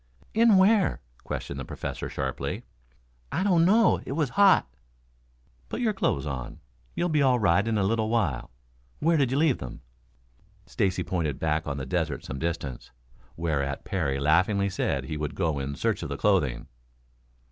"In where?" questioned the Professor sharply. "I don't know. It was hot." "Put your clothes on. You'll be all right in a little while. Where did you leave them?" Stacy pointed back on the desert some distance, whereat Parry laughingly said he would go in search of the clothing.